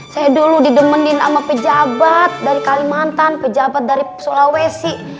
saya dulu didemenin sama pejabat dari kalimantan pejabat dari sulawesi